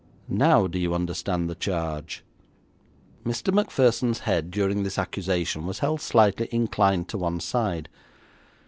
Now do you understand the charge?' Mr. Macpherson's head during this accusation was held slightly inclined to one side.